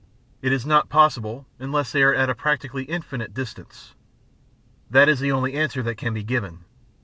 It is not possible, unless they are at a practically infinite distance. That is the only answer that can be given.